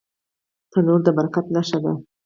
تنور د برکت نښه ده